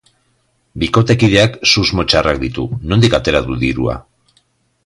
Bikotekideak susmo txarrak ditu: nondik atera du dirua?